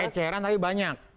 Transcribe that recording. eceran tapi banyak